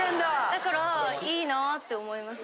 だから。って思いました。